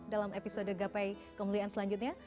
dalam episode gapai kemuliaan selanjutnya